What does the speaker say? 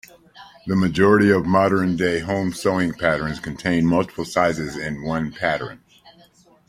The majority of modern-day home sewing patterns contain multiple sizes in one pattern.